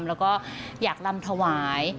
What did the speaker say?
แล้วก็อยากลำถวาย